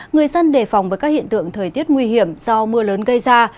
người dân đề phòng với các hiện tượng thời tiết nguy hiểm do mưa lớn gây ra